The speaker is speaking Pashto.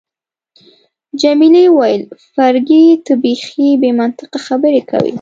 جميلې وويل: فرګي، ته بیخي بې منطقه خبرې کوي.